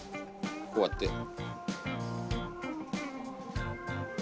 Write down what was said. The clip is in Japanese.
こうやって。